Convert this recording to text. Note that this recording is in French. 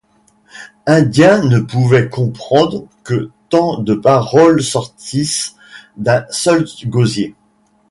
Indien ne pouvait comprendre que tant de paroles sortissent d’un seul gosier.